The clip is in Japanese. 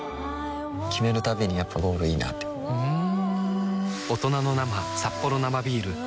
決めるたびにやっぱゴールいいなってふん